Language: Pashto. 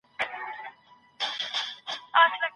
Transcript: ویښتان باید پوښلي وي ترڅو خوړو کې nelwedzi.